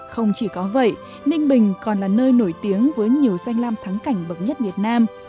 không chỉ có vậy ninh bình còn là nơi nổi tiếng với nhiều danh lam thắng cảnh bậc nhất việt nam